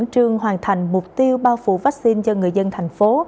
trương hoàn thành mục tiêu bao phủ vaccine cho người dân thành phố